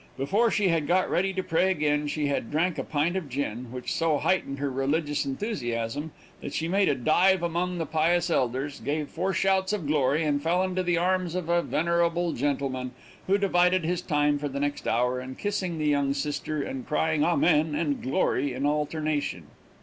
Before she had got ready to pray again she had drank a pint of gin, which so heightened her religious enthusiasm that she made a dive among the pious elders, gave four shouts of glory, and fell into the arms of a venerable gentleman, who divided his time for the next hour in kissing the young sister, and crying amen and glory in alternation.